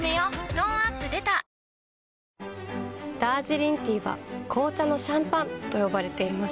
トーンアップ出たダージリンティーは紅茶のシャンパンと呼ばれています。